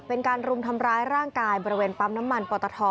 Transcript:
เป็นการรุมทำร้ายร่างกายบริเวณปั๊มน้ำมันปอตท